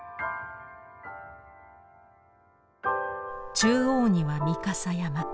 中央には御蓋山。